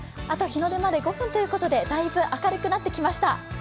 あと日の出まで５分ということでだいぶ明るくなってきました。